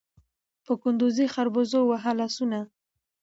په کندوزي خربوزو ووهه لاسونه